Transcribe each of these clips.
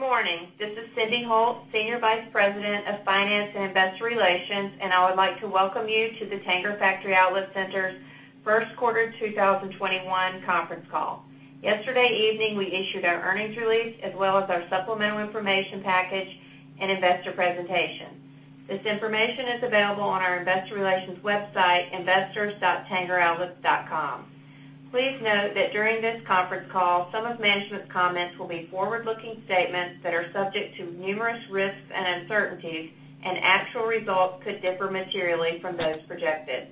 Good morning. This is Cyndi Holt, Senior Vice President of Finance and Investor Relations, I would like to welcome you to the Tanger Factory Outlet Centers' first quarter 2021 conference call. Yesterday evening, we issued our earnings release as well as our supplemental information package and investor presentation. This information is available on our investor relations website, investors.tangeroutlets.com. Please note that during this conference call, some of management's comments will be forward-looking statements that are subject to numerous risks and uncertainties, actual results could differ materially from those projected.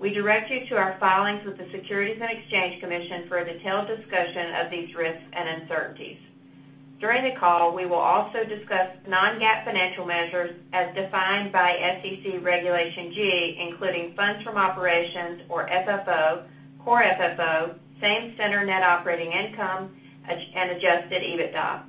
We direct you to our filings with the Securities and Exchange Commission for a detailed discussion of these risks and uncertainties. During the call, we will also discuss non-GAAP financial measures as defined by SEC Regulation G, including Funds From Operations or FFO, core FFO, same center net operating income, and adjusted EBITDA.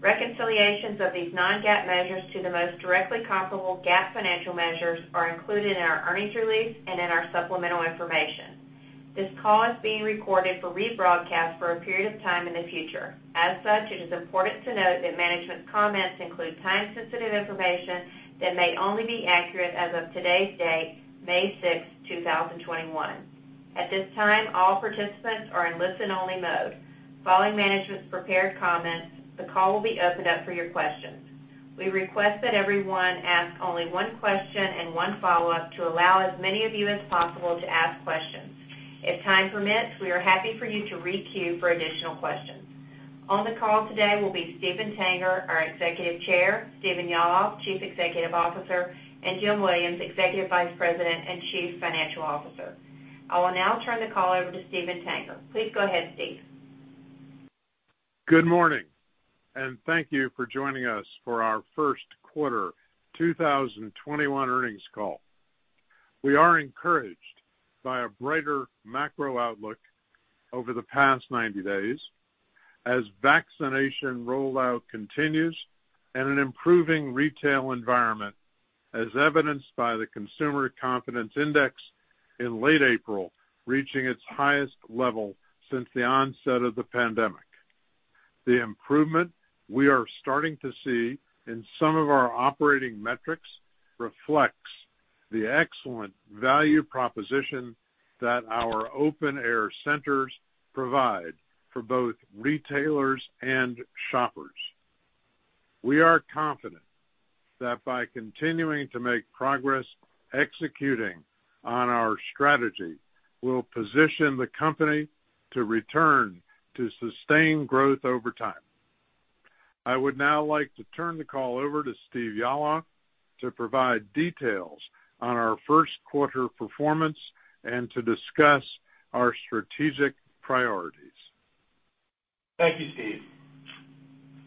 Reconciliations of these non-GAAP measures to the most directly comparable GAAP financial measures are included in our earnings release and in our supplemental information. This call is being recorded for rebroadcast for a period of time in the future. As such, it is important to note that management's comments include time-sensitive information that may only be accurate as of today's date, May 6, 2021. On the call today will be Steven Tanger, our Executive Chair, Stephen J. Yalof, Chief Executive Officer, and James F. Williams, Executive Vice President and Chief Financial Officer. I will now turn the call over to Steven Tanger. Please go ahead, Steve. Good morning. Thank you for joining us for our first quarter 2021 earnings call. We are encouraged by a brighter macro outlook over the past 90 days as vaccination rollout continues and an improving retail environment, as evidenced by the Consumer Confidence Index in late April, reaching its highest level since the onset of the pandemic. The improvement we are starting to see in some of our operating metrics reflects the excellent value proposition that our open-air centers provide for both retailers and shoppers. We are confident that by continuing to make progress executing on our strategy, we'll position the company to return to sustained growth over time. I would now like to turn the call over to Stephen J. Yalof to provide details on our first quarter performance and to discuss our strategic priorities. Thank you, Steve.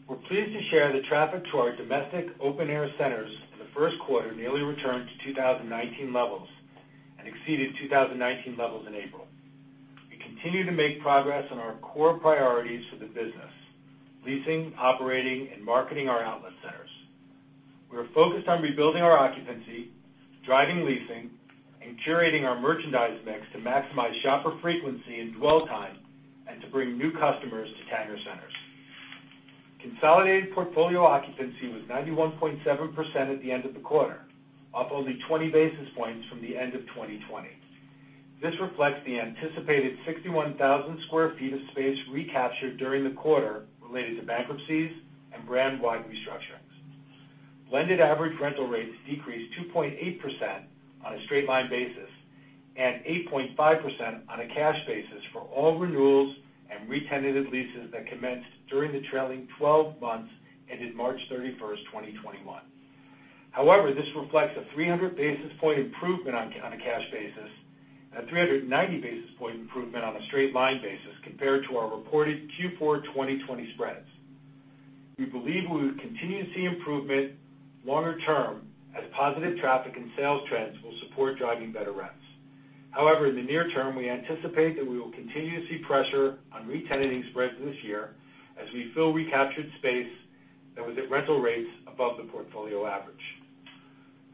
We're pleased to share the traffic to our domestic open-air centers in the first quarter nearly returned to 2019 levels and exceeded 2019 levels in April. We continue to make progress on our core priorities for the business, leasing, operating, and marketing our outlet centers. We're focused on rebuilding our occupancy, driving leasing, and curating our merchandise mix to maximize shopper frequency and dwell time and to bring new customers to Tanger centers. Consolidated portfolio occupancy was 91.7% at the end of the quarter, up only 20 basis points from the end of 2020. This reflects the anticipated 61,000 sq ft of space recaptured during the quarter related to bankruptcies and brand-wide restructurings. Blended average rental rates decreased 2.8% on a straight line basis and 8.5% on a cash basis for all renewals and retenanted leases that commenced during the trailing 12 months ended March 31st, 2021. This reflects a 300 basis point improvement on a cash basis and a 390 basis point improvement on a straight line basis compared to our reported Q4 2020 spreads. We believe we will continue to see improvement longer term as positive traffic and sales trends will support driving better rents. In the near term, we anticipate that we will continue to see pressure on retenanting spreads this year as we fill recaptured space that was at rental rates above the portfolio average.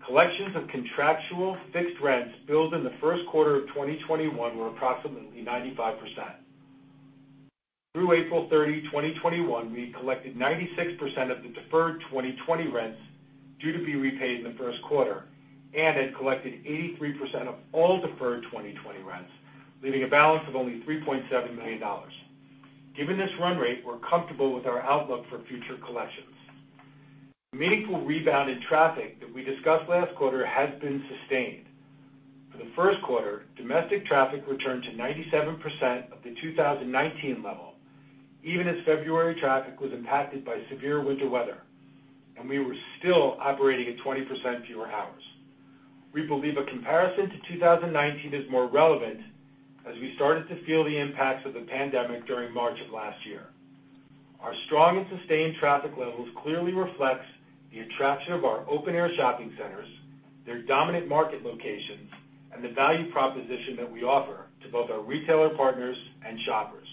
Collections of contractual fixed rents billed in the first quarter of 2021 were approximately 95%. Through April 30, 2021, we collected 96% of the deferred 2020 rents due to be repaid in the first quarter and had collected 83% of all deferred 2020 rents, leaving a balance of only $3.7 million. Given this run rate, we're comfortable with our outlook for future collections. The meaningful rebound in traffic that we discussed last quarter has been sustained. For the first quarter, domestic traffic returned to 97% of the 2019 level, even as February traffic was impacted by severe winter weather, and we were still operating at 20% fewer hours. We believe a comparison to 2019 is more relevant as we started to feel the impacts of the pandemic during March of last year. Our strong and sustained traffic levels clearly reflects the attraction of our open-air shopping centers, their dominant market locations, and the value proposition that we offer to both our retailer partners and shoppers.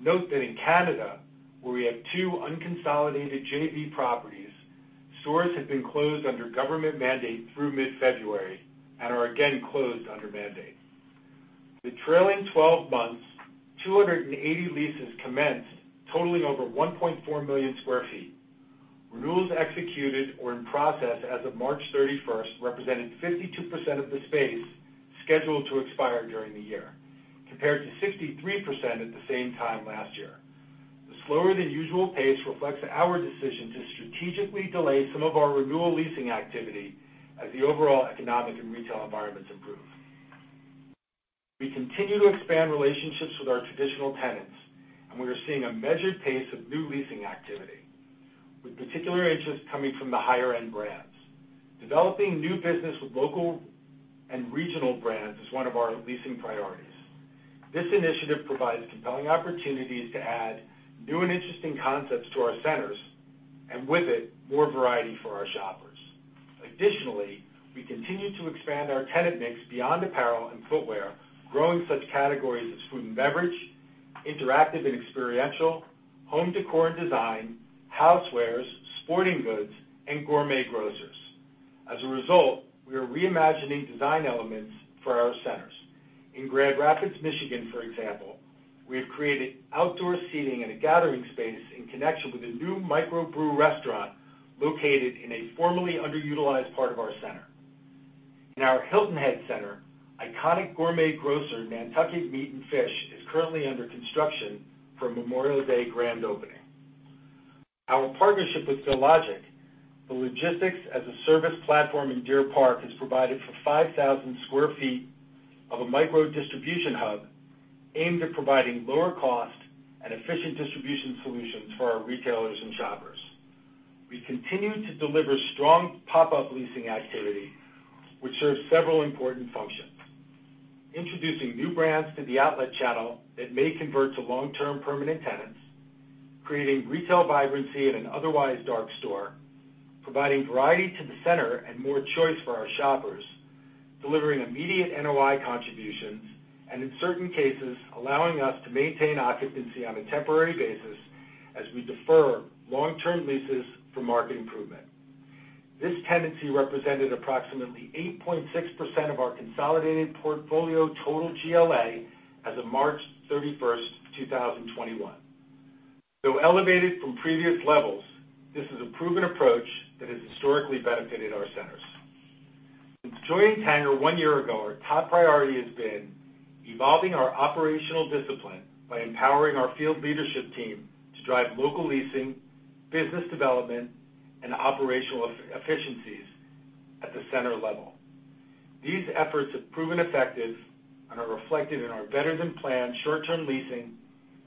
Note that in Canada, where we have two unconsolidated JV properties, stores had been closed under government mandate through mid-February and are again closed under mandate. The trailing 12 months, 280 leases commenced totaling over 1.4 million sq ft. Renewals executed or in process as of March 31st represented 52% of the space scheduled to expire during the year, compared to 63% at the same time last year. The slower than usual pace reflects our decision to strategically delay some of our renewal leasing activity as the overall economic and retail environments improve. We continue to expand relationships with our traditional tenants. We are seeing a measured pace of new leasing activity, with particular interest coming from the higher-end brands. Developing new business with local and regional brands is one of our leasing priorities. This initiative provides compelling opportunities to add new and interesting concepts to our centers, and with it, more variety for our shoppers. Additionally, we continue to expand our tenant mix beyond apparel and footwear, growing such categories as food and beverage, interactive and experiential, home decor and design, housewares, sporting goods, and gourmet grocers. As a result, we are reimagining design elements for our centers. In Grand Rapids, Michigan, for example, we have created outdoor seating and a gathering space in connection with a new microbrew restaurant located in a formerly underutilized part of our center. In our Hilton Head center, iconic gourmet grocer Nantucket Meat & Fish Market is currently under construction for a Memorial Day grand opening. Our partnership with Fillogic, the logistics-as-a-service platform in Deer Park, has provided for 5,000 sq ft of a micro distribution hub aimed at providing lower cost and efficient distribution solutions for our retailers and shoppers. We continue to deliver strong pop-up leasing activity, which serves several important functions. Introducing new brands to the outlet channel that may convert to long-term permanent tenants, creating retail vibrancy in an otherwise dark store, providing variety to the center and more choice for our shoppers, delivering immediate NOI contributions, and in certain cases, allowing us to maintain occupancy on a temporary basis as we defer long-term leases for market improvement. This tenancy represented approximately 8.6% of our consolidated portfolio total GLA as of March 31st, 2021. Though elevated from previous levels, this is a proven approach that has historically benefited our centers. Since joining Tanger one year ago, our top priority has been evolving our operational discipline by empowering our field leadership team to drive local leasing, business development, and operational efficiencies at the center level. These efforts have proven effective and are reflected in our better-than-planned short-term leasing,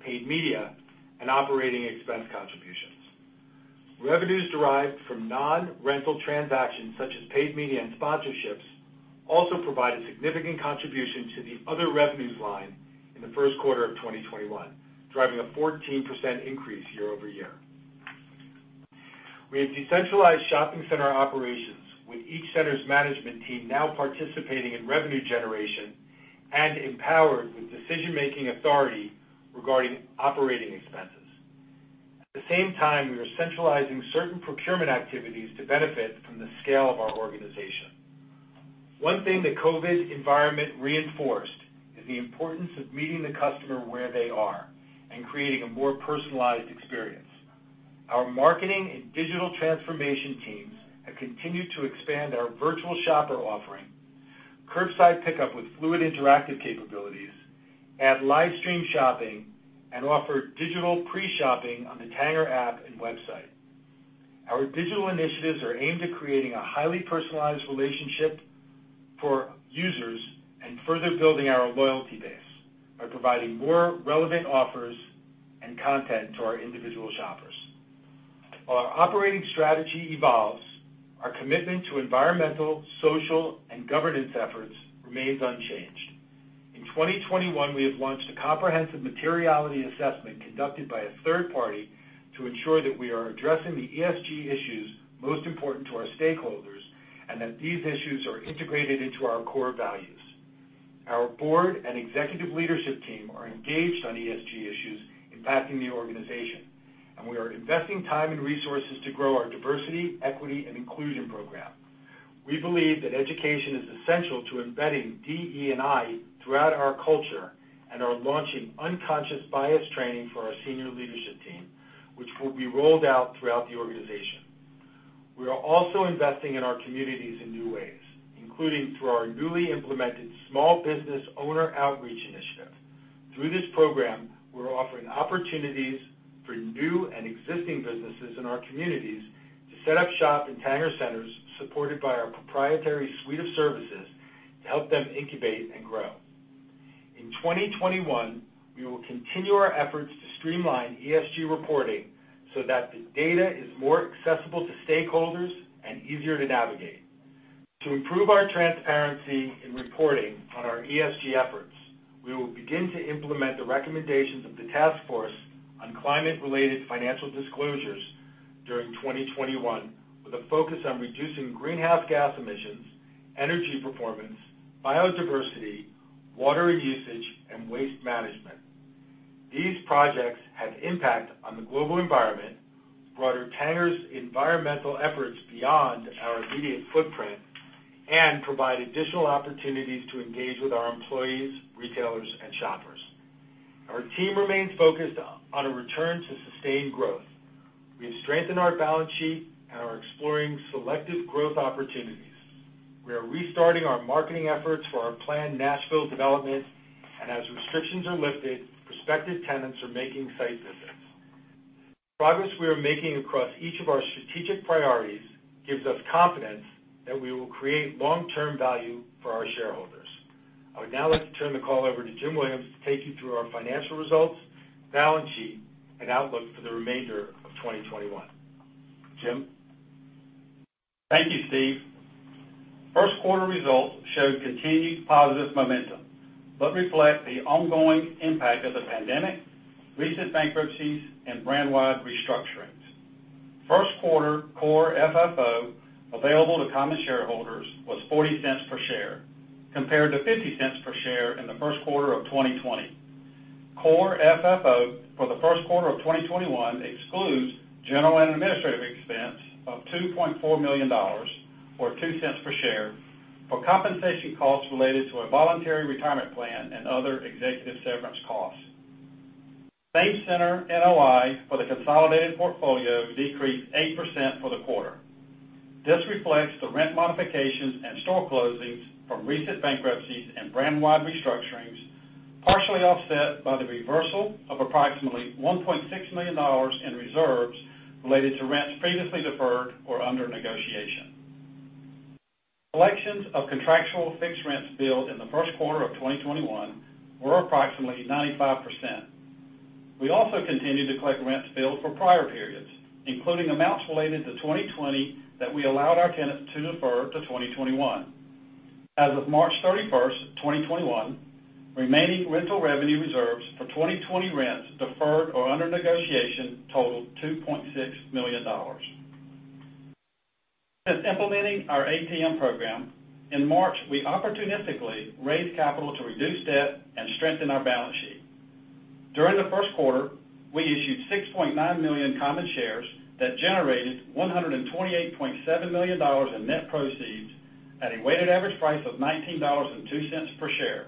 paid media, and operating expense contributions. Revenues derived from non-rental transactions such as paid media and sponsorships also provide a significant contribution to the other revenues line in the first quarter of 2021, driving a 14% increase year-over-year. We have decentralized shopping center operations, with each center's management team now participating in revenue generation and empowered with decision-making authority regarding operating expenses. At the same time, we are centralizing certain procurement activities to benefit from the scale of our organization. One thing the COVID environment reinforced is the importance of meeting the customer where they are and creating a more personalized experience. Our marketing and digital transformation teams have continued to expand our virtual shopper offering, curbside pickup with fluid interactive capabilities, add live stream shopping, and offer digital pre-shopping on the Tanger app and website. Our digital initiatives are aimed at creating a highly personalized relationship for users and further building our loyalty base by providing more relevant offers and content to our individual shoppers. While our operating strategy evolves, our commitment to environmental, social, and governance efforts remains unchanged. In 2021, we have launched a comprehensive materiality assessment conducted by a third party to ensure that we are addressing the ESG issues most important to our stakeholders and that these issues are integrated into our core values. Our board and executive leadership team are engaged on ESG issues impacting the organization, and we are investing time and resources to grow our diversity, equity, and inclusion program. We believe that education is essential to embedding DE&I throughout our culture and are launching unconscious bias training for our senior leadership team, which will be rolled out throughout the organization. We are also investing in our communities in new ways, including through our newly implemented small business owner outreach initiative. Through this program, we're offering opportunities for new and existing businesses in our communities to set up shop in Tanger centers, supported by our proprietary suite of services to help them incubate and grow. In 2021, we will continue our efforts to streamline ESG reporting so that the data is more accessible to stakeholders and easier to navigate. To improve our transparency in reporting on our ESG efforts, we will begin to implement the recommendations of the Task Force on Climate-related Financial Disclosures during 2021 with a focus on reducing greenhouse gas emissions, energy performance, biodiversity, water usage, and waste management. These projects have impact on the global environment, broaden Tanger's environmental efforts beyond our immediate footprint, and provide additional opportunities to engage with our employees, retailers, and shoppers. Our team remains focused on a return to sustained growth. We've strengthened our balance sheet and are exploring selective growth opportunities. We are restarting our marketing efforts for our planned Nashville development, and as restrictions are lifted, prospective tenants are making site visits. Progress we are making across each of our strategic priorities gives us confidence that we will create long-term value for our shareholders. I would now like to turn the call over to Jim Williams to take you through our financial results, balance sheet, and outlook for the remainder of 2021. Jim? Thank you, Steve. First quarter results showed continued positive momentum, reflect the ongoing impact of the pandemic, recent bankruptcies, and brand-wide restructurings. First quarter core FFO available to common shareholders was $0.40 per share compared to $0.50 per share in the first quarter of 2020. Core FFO for the first quarter of 2021 excludes general and administrative expense of $2.4 million, or $0.02 per share, for compensation costs related to a voluntary retirement plan and other executive severance costs. Same center NOI for the consolidated portfolio decreased 8% for the quarter. This reflects the rent modifications and store closings from recent bankruptcies and brand-wide restructurings, partially offset by the reversal of approximately $1.6 million in reserves related to rents previously deferred or under negotiation. Collections of contractual fixed rents billed in the first quarter of 2021 were approximately 95%. We also continued to collect rents billed for prior periods, including amounts related to 2020 that we allowed our tenants to defer to 2021. As of March 31st, 2021, remaining rental revenue reserves for 2020 rents deferred or under negotiation totaled $2.6 million. Since implementing our ATM program, in March, we opportunistically raised capital to reduce debt and strengthen our balance sheet. During the first quarter, we issued 6.9 million common shares that generated $128.7 million in net proceeds at a weighted average price of $19.02 per share.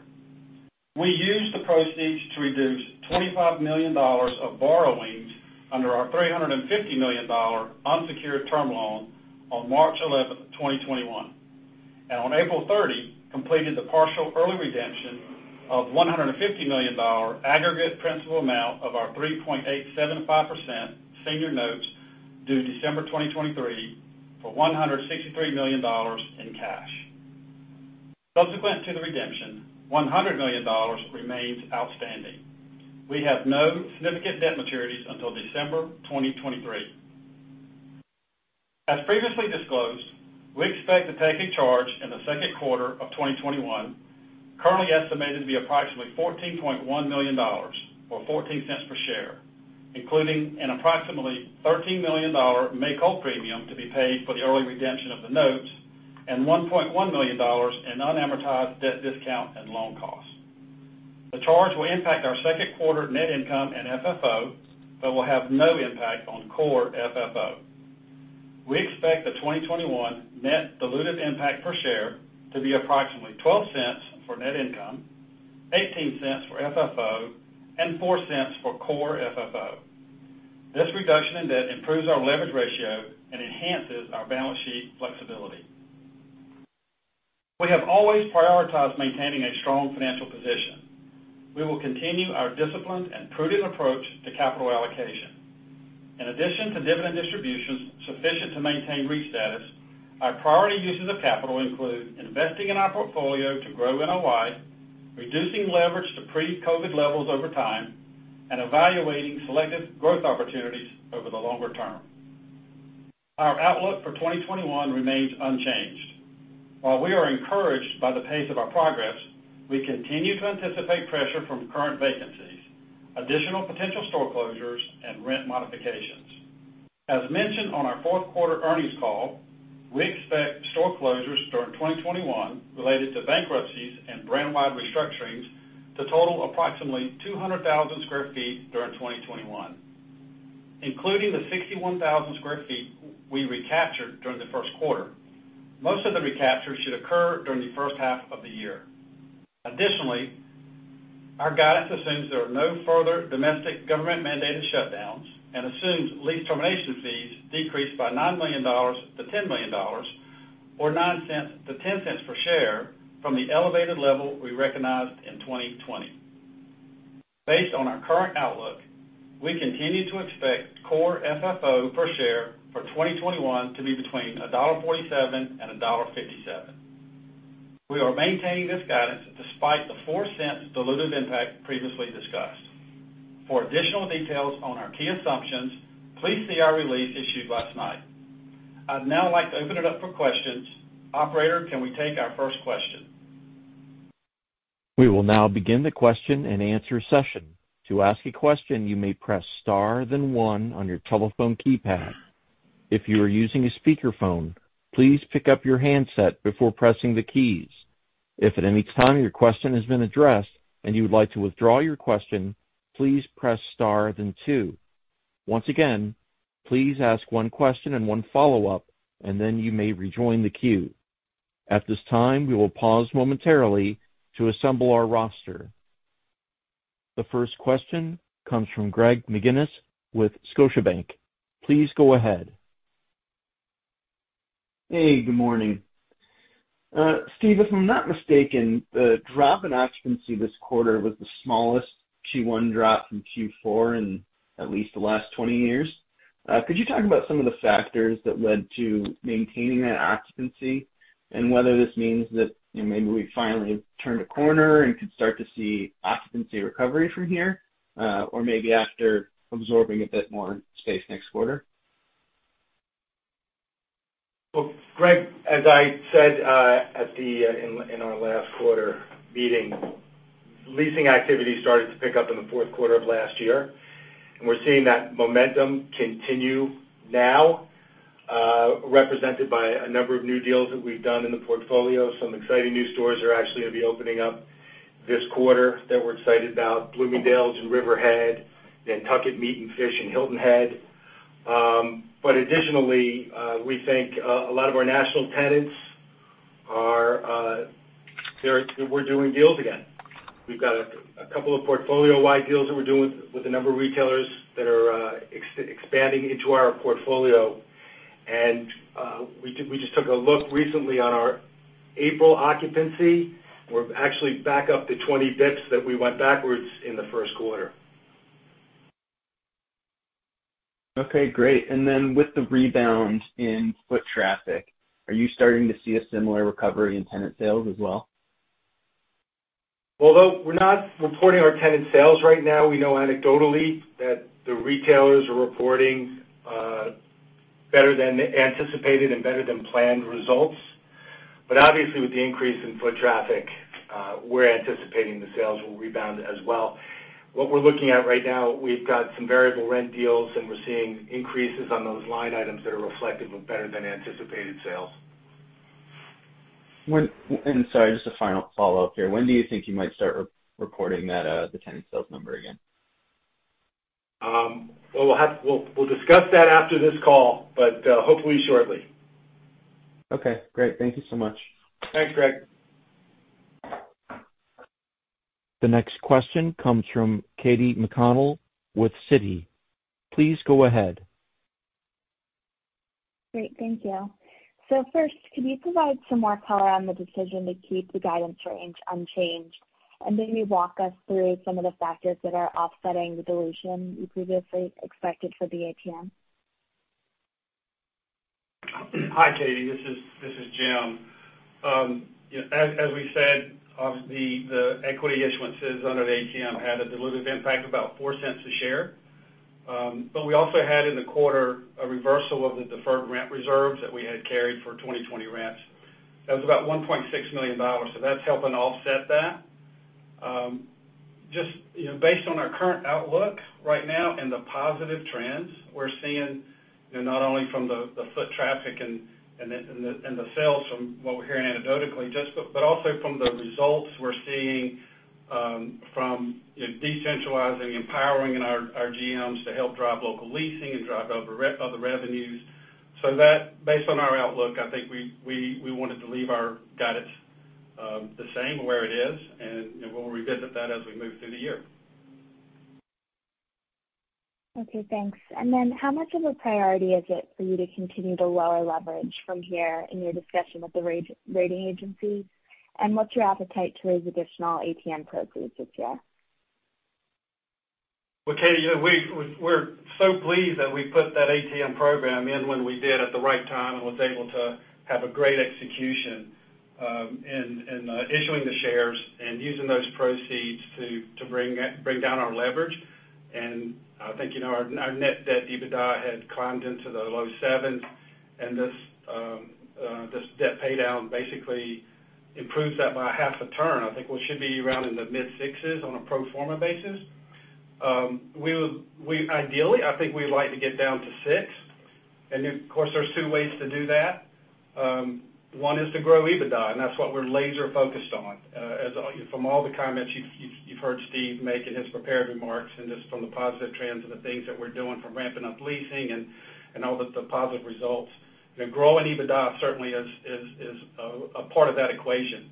We used the proceeds to reduce $25 million of borrowings under our $350 million unsecured term loan on March 11, 2021. On April 30, completed the partial early redemption of $150 million aggregate principal amount of our 3.875% senior notes due December 2023 for $163 million in cash. Subsequent to the redemption, $100 million remains outstanding. We have no significant debt maturities until December 2023. As previously disclosed, we expect to take a charge in the second quarter of 2021, currently estimated to be approximately $14.1 million, or $0.14 per share, including an approximately $13 million make-whole premium to be paid for the early redemption of the notes, and $1.1 million in unamortized debt discount and loan costs. The charge will impact our second quarter net income and FFO, but will have no impact on core FFO. We expect the 2021 net dilutive impact per share to be approximately $0.12 for net income, $0.18 for FFO, and $0.04 for core FFO. This reduction in debt improves our leverage ratio and enhances our balance sheet flexibility. We have always prioritized maintaining a strong financial position. We will continue our disciplined and prudent approach to capital allocation. In addition to dividend distributions sufficient to maintain REIT status, our priority uses of capital include investing in our portfolio to grow NOI, reducing leverage to pre-COVID levels over time, and evaluating selective growth opportunities over the longer term. Our outlook for 2021 remains unchanged. While we are encouraged by the pace of our progress, we continue to anticipate pressure from current vacancies, additional potential store closures, and rent modifications. As mentioned on our fourth quarter earnings call, we expect store closures during 2021 related to bankruptcies and brand-wide restructurings to total approximately 200,000 sq ft during 2021. Including the 61,000 sq ft we recaptured during the first quarter, most of the recapture should occur during the first half of the year. Additionally, our guidance assumes there are no further domestic government-mandated shutdowns and assumes lease termination fees decrease by $9 million-$10 million, or $0.09-$0.10 per share from the elevated level we recognized in 2020. Based on our current outlook, we continue to expect core FFO per share for 2021 to be between $1.47 and $1.57. We are maintaining this guidance despite the $0.04 dilutive impact previously discussed. For additional details on our key assumptions, please see our release issued last night. I'd now like to open it up for questions. Operator, can we take our first question? We will now begin the question-and-answer session. To ask a question, you may press star then one on your telephone keypad. If you are using a speakerphone, please pick up your handset before pressing the keys. If at any time your question has been addressed and you would like to withdraw your question, please press star then two. Once again, please ask one question and one follow-up, and then you may rejoin the queue. At this time, we will pause momentarily to assemble our roster. The first question comes from Greg McGinniss with Scotiabank. Please go ahead. Hey, good morning. Steve, if I'm not mistaken, the drop in occupancy this quarter was the smallest Q1 drop from Q4 in at least the last 20 years. Could you talk about some of the factors that led to maintaining that occupancy, and whether this means that maybe we finally turned a corner and could start to see occupancy recovery from here, or maybe after absorbing a bit more space next quarter? Well, Greg, as I said in our last quarter meeting, leasing activity started to pick up in the fourth quarter of last year. We're seeing that momentum continue now, represented by a number of new deals that we've done in the portfolio. Some exciting new stores are actually going to be opening up this quarter that we're excited about. Bloomingdale's in Riverhead, Nantucket Meat & Fish in Hilton Head. Additionally, we think a lot of our national tenants, we're doing deals again. We've got a couple of portfolio-wide deals that we're doing with a number of retailers that are expanding into our portfolio. We just took a look recently on our April occupancy. We're actually back up the 20 basis points that we went backwards in the first quarter. Okay, great. With the rebound in foot traffic, are you starting to see a similar recovery in tenant sales as well? Although we're not reporting our tenant sales right now, we know anecdotally that the retailers are reporting better than anticipated and better than planned results. Obviously, with the increase in foot traffic, we're anticipating the sales will rebound as well. What we're looking at right now, we've got some variable rent deals, and we're seeing increases on those line items that are reflective of better than anticipated sales. Sorry, just a final follow-up here. When do you think you might start recording the tenant sales number again? We'll discuss that after this call, but hopefully shortly. Okay, great. Thank you so much. Thanks, Greg. The next question comes from Katy McConnell with Citi. Please go ahead. Great, thank you. First, can you provide some more color on the decision to keep the guidance range unchanged? Maybe walk us through some of the factors that are offsetting the dilution you previously expected for the ATM. Hi, Katy, this is Jim. As we said, obviously, the equity issuances under the ATM had a dilutive impact of about $0.04 a share. We also had in the quarter a reversal of the deferred rent reserves that we had carried for 2020 rents. That was about $1.6 million. That's helping offset that. Just based on our current outlook right now and the positive trends we're seeing, not only from the foot traffic and the sales from what we're hearing anecdotally, but also from the results we're seeing from decentralizing, empowering our GMs to help drive local leasing and drive other revenues. Based on our outlook, I think we wanted to leave our guidance the same where it is, and we'll revisit that as we move through the year. Okay, thanks. How much of a priority is it for you to continue to lower leverage from here in your discussion with the rating agencies? What's your appetite to raise additional ATM proceeds this year? Well, Katy, we're so pleased that we put that ATM program in when we did at the right time and was able to have a great execution in issuing the shares and using those proceeds to bring down our leverage. I think our net debt to EBITDA had climbed into the low 7s, and this debt paydown basically improves that by half of a turn. I think we should be around in the mid-6s on a pro forma basis. Ideally, I think we'd like to get down to 6. Of course, there's two ways to do that. One is to grow EBITDA. That's what we're laser focused on. From all the comments you've heard Stephen J. Yalof make in his prepared remarks, just from the positive trends and the things that we're doing from ramping up leasing and all the positive results. Growing EBITDA certainly is a part of that equation.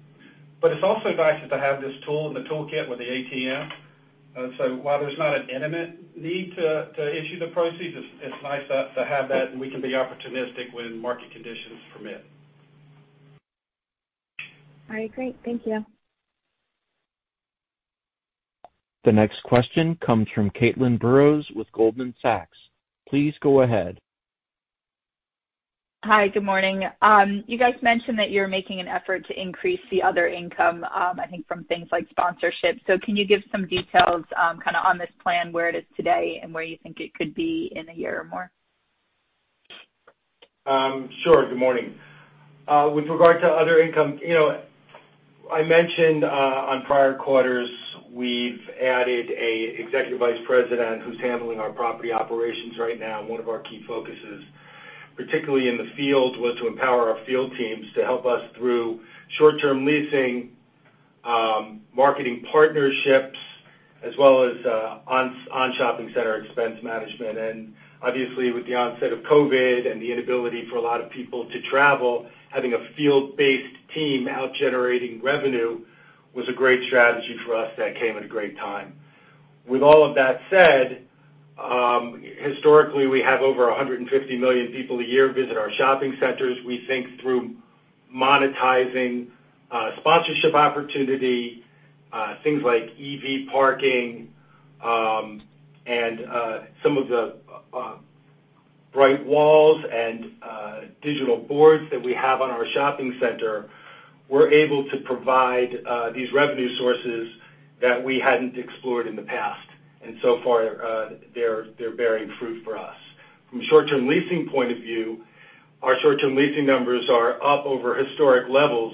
It's also nice to have this tool in the toolkit with the ATM. While there's not an intimate need to issue the proceeds, it's nice to have that, and we can be opportunistic when market conditions permit. All right, great. Thank you. The next question comes from Caitlin Burrows with Goldman Sachs. Please go ahead. Hi, good morning. You guys mentioned that you're making an effort to increase the other income, I think from things like sponsorships. Can you give some details, kind of on this plan, where it is today, and where you think it could be in a year or more? Sure, good morning. With regard to other income, I mentioned on prior quarters, we've added an Executive Vice President who's handling our property operations right now, and one of our key focuses, particularly in the field, was to empower our field teams to help us through short-term leasing, marketing partnerships, as well as on shopping center expense management. Obviously, with the onset of COVID and the inability for a lot of people to travel, having a field-based team out generating revenue was a great strategy for us that came at a great time. With all of that said, historically, we have over 150 million people a year visit our shopping centers. We think through monetizing sponsorship opportunity, things like EV parking, and some of the bright walls and digital boards that we have on our shopping center, we're able to provide these revenue sources that we hadn't explored in the past. So far, they're bearing fruit for us. From a short-term leasing point of view, our short-term leasing numbers are up over historic levels.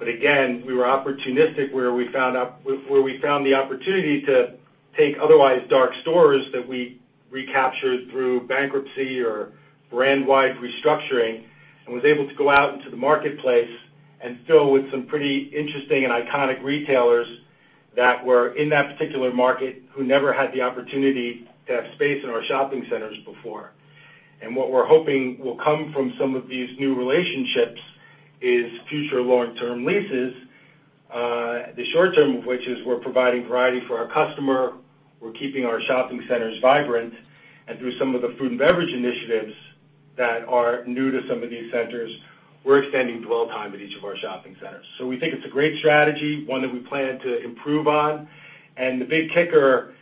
Again, we were opportunistic where we found the opportunity to take otherwise dark stores that we recaptured through bankruptcy or brand-wide restructuring, and was able to go out into the marketplace and fill with some pretty interesting and iconic retailers that were in that particular market who never had the opportunity to have space in our shopping centers before. What we're hoping will come from some of these new relationships is future long-term leases. The short-term of which is we're providing variety for our customer, we're keeping our shopping centers vibrant, and through some of the food and beverage initiatives that are new to some of these centers, we're extending dwell time at each of our shopping centers. We think it's a great strategy, one that we plan to improve on. The big kicker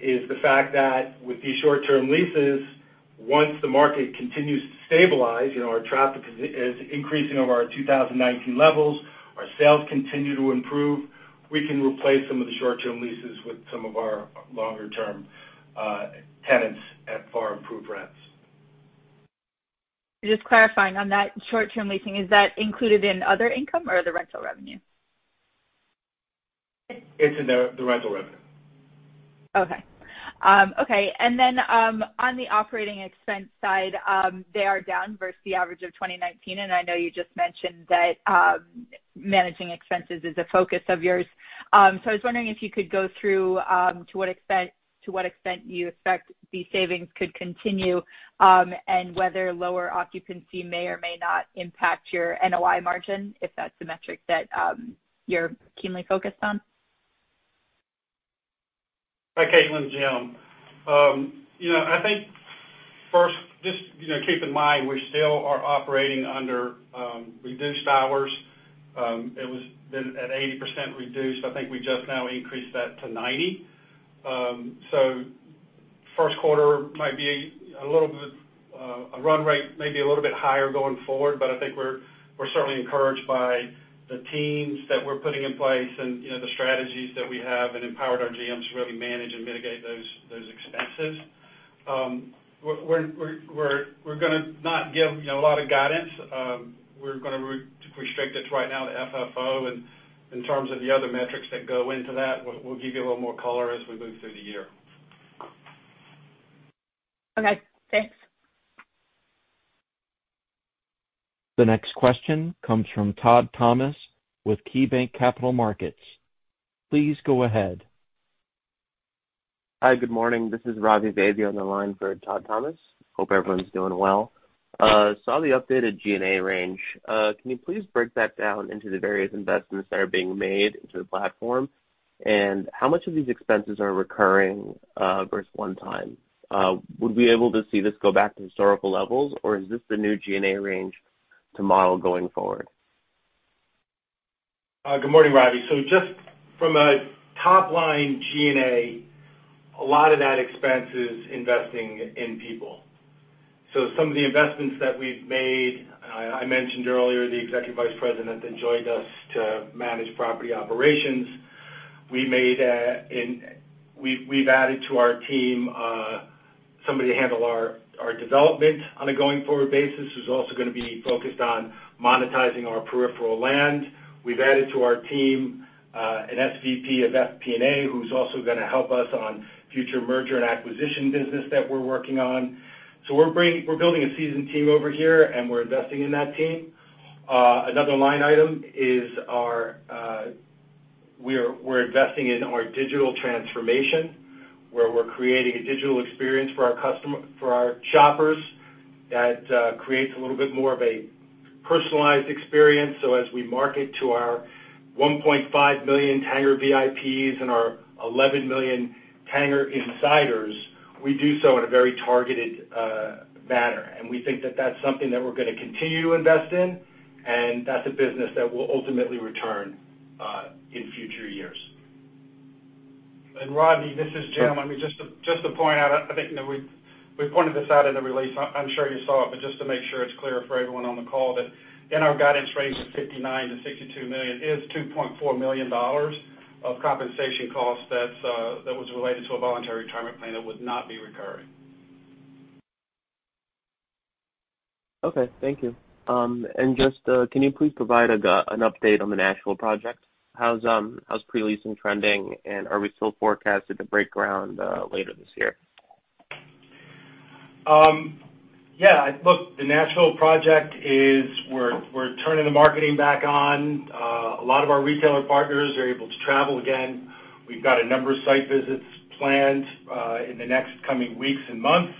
is the fact that with these short-term leases, once the market continues to stabilize, our traffic is increasing over our 2019 levels, our sales continue to improve, we can replace some of the short-term leases with some of our longer term tenants at far improved rents. Just clarifying on that short-term leasing, is that included in other income or the rental revenue? It's in the rental revenue. Okay. On the operating expense side, they are down versus the average of 2019, and I know you just mentioned that managing expenses is a focus of yours. I was wondering if you could go through to what extent you expect these savings could continue, and whether lower occupancy may or may not impact your NOI margin, if that's the metric that you're keenly focused on. Hi, Caitlin, Jim. I think first, just keep in mind, we still are operating under reduced hours. It was at 80% reduced. I think we just now increased that to 90. First quarter might be a run rate, maybe a little bit higher going forward, but I think we're certainly encouraged by the teams that we're putting in place and the strategies that we have, and empowered our GMs to really manage and mitigate those expenses. We're going to not give a lot of guidance. We're going to restrict it right now to FFO. In terms of the other metrics that go into that, we'll give you a little more color as we move through the year. Okay, thanks. The next question comes from Todd Thomas with KeyBanc Capital Markets. Please go ahead. Hi, good morning. This is Ravi Vaidya on the line for Todd Thomas. Hope everyone's doing well. Saw the updated G&A range. Can you please break that down into the various investments that are being made into the platform? How much of these expenses are recurring versus one time? Would we be able to see this go back to historical levels, or is this the new G&A range to model going forward? Good morning, Ravi. Just from a top line G&A, a lot of that expense is investing in people. Some of the investments that we've made, I mentioned earlier the Executive Vice President that joined us to manage property operations. We've added to our team somebody to handle our development on a going forward basis, who's also going to be focused on monetizing our peripheral land. We've added to our team an SVP of FP&A, who's also going to help us on future merger and acquisition business that we're working on. We're building a seasoned team over here, and we're investing in that team. Another line item is we're investing in our digital transformation, where we're creating a digital experience for our shoppers that creates a little bit more of a personalized experience. As we market to our 1.5 million Tanger VIPs and our 11 million Tanger Insiders, we do so in a very targeted manner. We think that that's something that we're going to continue to invest in, and that's a business that will ultimately return in future years. Ravi, this is Jim. I mean, just to point out, I think we pointed this out in the release. I'm sure you saw it, but just to make sure it's clear for everyone on the call that in our guidance range of $59 million-$62 million is $2.4 million of compensation costs that was related to a voluntary retirement plan that would not be recurring. Okay. Thank you. Just, can you please provide an update on the Nashville project? How's pre-leasing trending, and are we still forecasted to break ground later this year? Yeah, look, the Nashville project is, we're turning the marketing back on. A lot of our retailer partners are able to travel again. We've got a number of site visits planned, in the next coming weeks and months.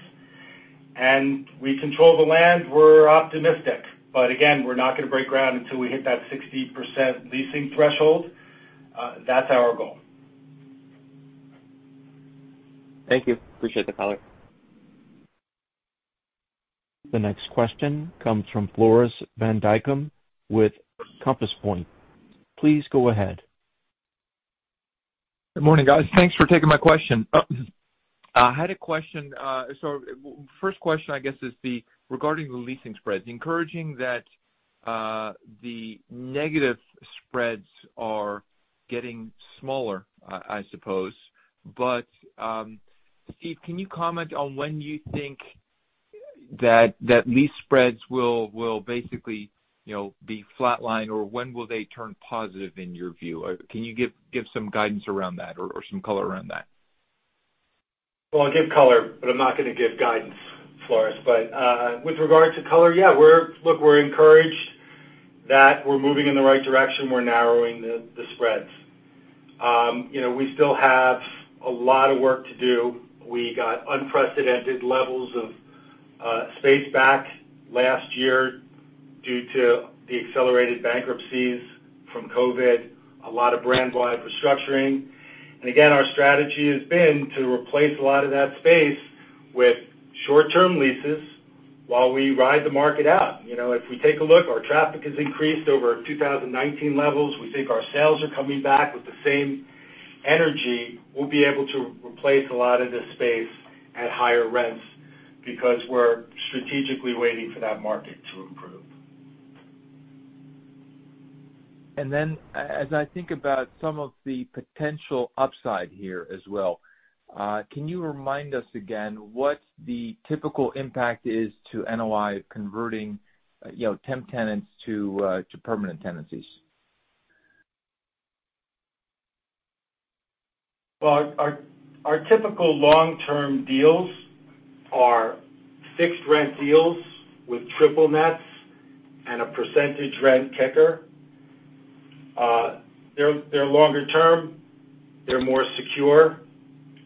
We control the land. We're optimistic, but again, we're not going to break ground until we hit that 60% leasing threshold. That's our goal. Thank you. Appreciate the color. The next question comes from Floris van Dijkum with Compass Point. Please go ahead. Good morning, guys. Thanks for taking my question. I had a question. First question, I guess, is regarding the leasing spreads. Encouraging that the negative spreads are getting smaller, I suppose. Stephen, can you comment on when you think that lease spreads will basically be flat line or when will they turn positive in your view? Can you give some guidance around that or some color around that? Well, I'll give color, but I'm not going to give guidance, Floris. With regard to color, yeah, look, we're encouraged that we're moving in the right direction. We're narrowing the spreads. We still have a lot of work to do. We got unprecedented levels of space back last year due to the accelerated bankruptcies from COVID, a lot of brand-wide restructuring. Again, our strategy has been to replace a lot of that space with short-term leases while we ride the market out. If we take a look, our traffic has increased over 2019 levels. We think our sales are coming back with the same energy. We'll be able to replace a lot of this space at higher rents because we're strategically waiting for that market to improve. As I think about some of the potential upside here as well, can you remind us again what the typical impact is to NOI converting temp tenants to permanent tenancies? Well, our typical long-term deals are fixed rent deals with triple nets and a percentage rent kicker. They're longer term, they're more secure.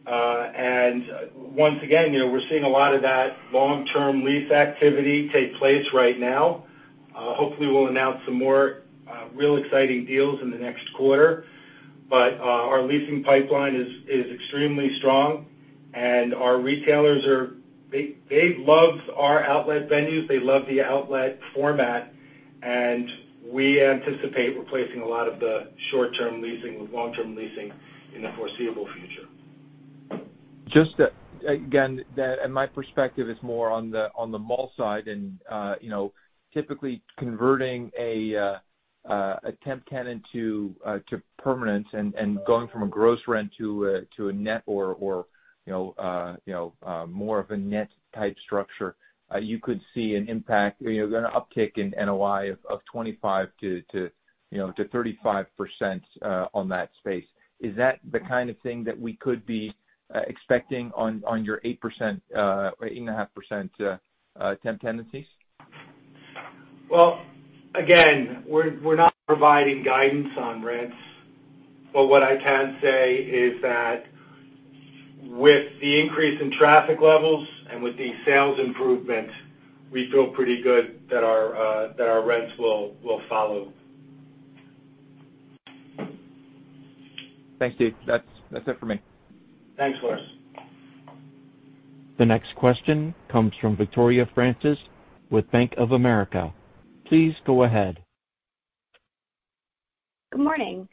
Once again, we're seeing a lot of that long-term lease activity take place right now. Hopefully, we'll announce some more real exciting deals in the next quarter. Our leasing pipeline is extremely strong, and our retailers, they love our outlet venues. They love the outlet format, and we anticipate replacing a lot of the short-term leasing with long-term leasing in the foreseeable future. Just again, and my perspective is more on the mall side and typically converting a temp tenant to permanent and going from a gross rent to a net or more of a net type structure. You could see an impact, an uptick in NOI of 25%-35% on that space. Is that the kind of thing that we could be expecting on your 8%, 8.5% temp tenancies? Well, again, we're not providing guidance on rents. What I can say is that with the increase in traffic levels and with the sales improvement, we feel pretty good that our rents will follow. Thanks, Steve. That's it for me. Thanks, Floris. The next question comes from Victoria Francis with Bank of America. Please go ahead. Good morning.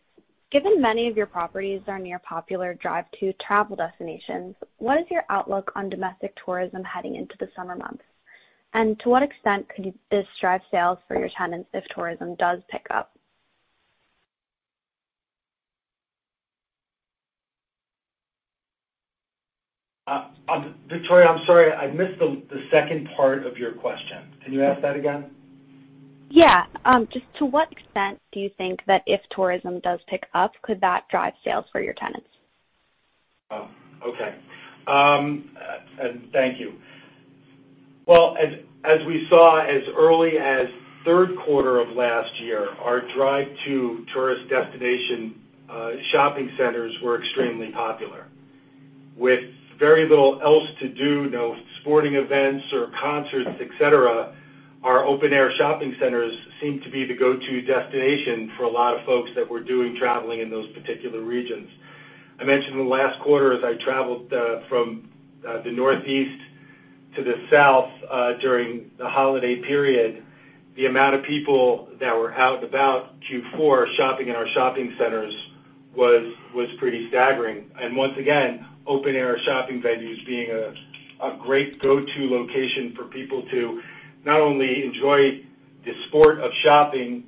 Given many of your properties are near popular drive to travel destinations, what is your outlook on domestic tourism heading into the summer months? To what extent could this drive sales for your tenants if tourism does pick up? Victoria, I'm sorry, I missed the second part of your question. Can you ask that again? Yeah. Just to what extent do you think that if tourism does pick up, could that drive sales for your tenants? Oh, okay. Thank you. Well, as we saw as early as the third quarter of last year, our drive to tourist destination shopping centers were extremely popular. With very little else to do, no sporting events or concerts, et cetera, our open-air shopping centers seem to be the go-to destination for a lot of folks that were doing traveling in those particular regions. I mentioned in the last quarter as I traveled from the Northeast to the South, during the holiday period, the amount of people that were out and about Q4 shopping in our shopping centers was pretty staggering. Once again, open-air shopping venues being a great go-to location for people to not only enjoy the sport of shopping,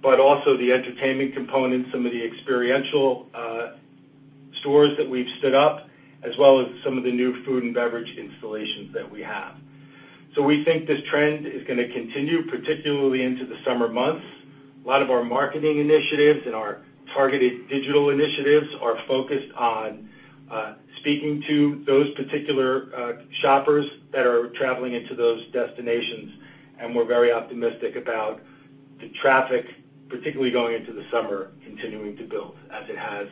but also the entertainment component. Stores that we've stood up, as well as some of the new food and beverage installations that we have. We think this trend is going to continue, particularly into the summer months. A lot of our marketing initiatives and our targeted digital initiatives are focused on speaking to those particular shoppers that are traveling into those destinations, and we're very optimistic about the traffic, particularly going into the summer, continuing to build as it has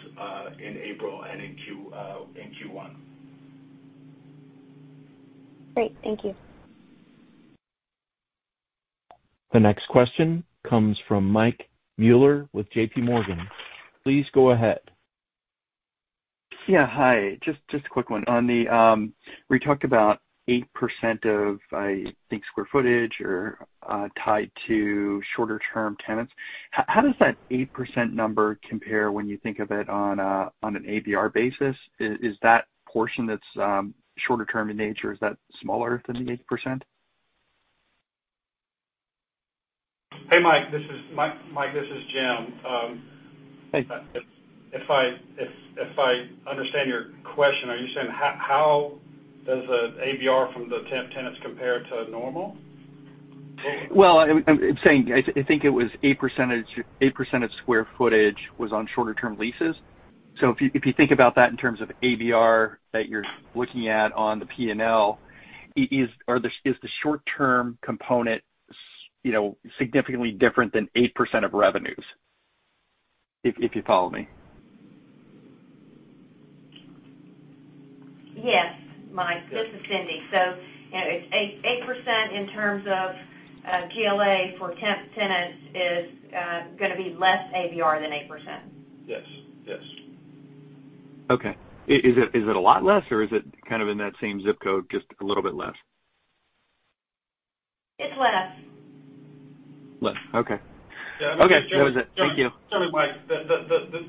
in April and in Q1. Great. Thank you. The next question comes from Mike Mueller with JPMorgan. Please go ahead. Yeah. Hi. Just a quick one. We talked about 8% of, I think, square footage or tied to shorter term tenants. How does that 8% number compare when you think of it on an ABR basis? Is that portion that's shorter term in nature, is that smaller than the 8%? Hey, Mike, this is Jim. Hey. If I understand your question, are you saying how does a ABR from the temp tenants compare to normal? Well, I'm saying, I think it was 8% of square footage was on shorter term leases. If you think about that in terms of ABR that you're looking at on the P&L, is the short term component significantly different than 8% of revenues? If you follow me. Yes, Michael, this is Cyndi. It's 8% in terms of GLA for temp tenants is going to be less ABR than 8%. Yes. Okay. Is it a lot less or is it kind of in that same zip code, just a little bit less? It's less. Less, okay. Okay. That was it. Thank you. Mike, the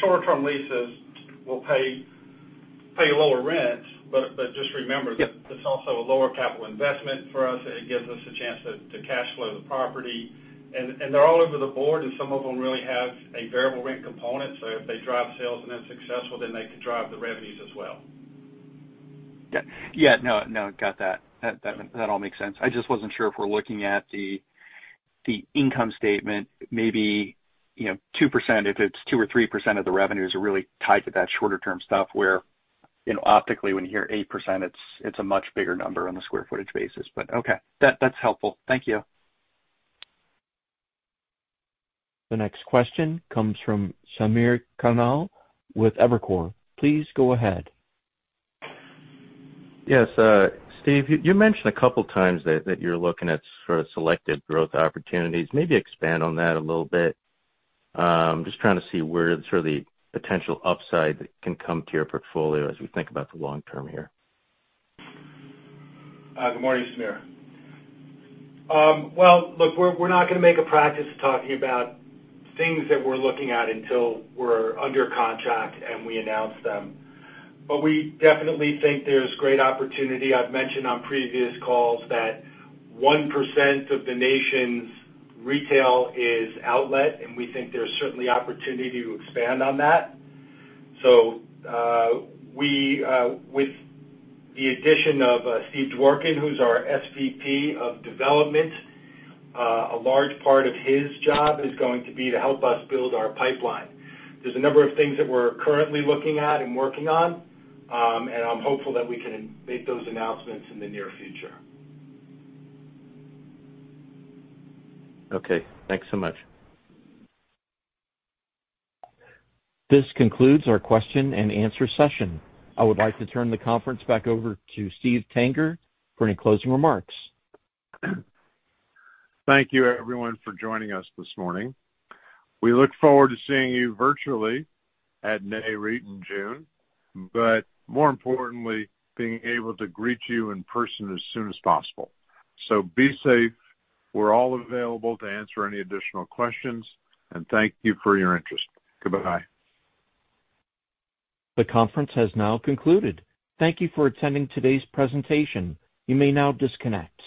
shorter term leases will pay lower rent, but just remember. Yep It's also a lower capital investment for us. It gives us a chance to cash flow the property. They're all over the board. Some of them really have a variable rent component. If they drive sales and they're successful, they can drive the revenues as well. Yeah. No, got that. That all makes sense. I just wasn't sure if we're looking at the income statement, maybe 2%, if it's 2% or 3% of the revenues are really tied to that shorter term stuff where optically, when you hear 8%, it's a much bigger number on the square footage basis, okay. That's helpful. Thank you. The next question comes from Samir Khanal with Evercore. Please go ahead. Yes. Steve, you mentioned a couple of times that you're looking at sort of selected growth opportunities. Maybe expand on that a little bit. Just trying to see where sort of the potential upside that can come to your portfolio as we think about the long term here. Good morning, Samir. Well, look, we're not going to make a practice of talking about things that we're looking at until we're under contract and we announce them. We definitely think there's great opportunity. I've mentioned on previous calls that 1% of the nation's retail is outlet, and we think there's certainly opportunity to expand on that. With the addition of Steve Dworkin, who's our SVP of development, a large part of his job is going to be to help us build our pipeline. There's a number of things that we're currently looking at and working on, and I'm hopeful that we can make those announcements in the near future. Okay, thanks so much. This concludes our question and answer session. I would like to turn the conference back over to Steven Tanger for any closing remarks. Thank you everyone for joining us this morning. We look forward to seeing you virtually at Nareit in June, but more importantly, being able to greet you in person as soon as possible. Be safe. We're all available to answer any additional questions, and thank you for your interest. Goodbye. The conference has now concluded. Thank you for attending today's presentation. You may now disconnect.